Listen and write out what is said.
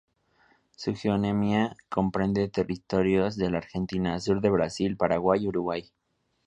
Su geonemia comprende territorios de la Argentina, sur del Brasil, Paraguay, y Uruguay.